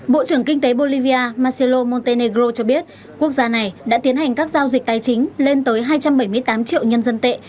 bộ trưởng kinh tế bolivia marcelo montenegro cho biết quốc gia này đã tiến hành các giao dịch tài chính lên tới hai trăm bảy mươi tám triệu nhân dân tệ